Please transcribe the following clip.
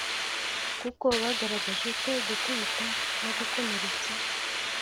Kuko bagaragaje ko gukubita no gukomeretsa